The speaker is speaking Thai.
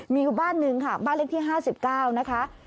มีอยู่บ้านหนึ่งค่ะบ้านเลขที่๕๙นะคะ